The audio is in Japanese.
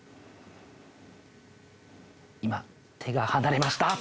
今手が離れました！